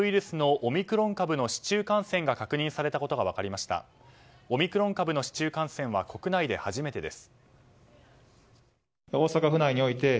オミクロン株の市中感染は国内で初めてです。